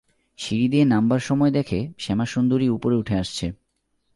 সিঁড়ি দিয়ে নামবার সময় দেখে শ্যামাসুন্দরী উপরে উঠে আসছে।